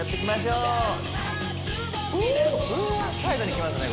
うーわサイドにきますね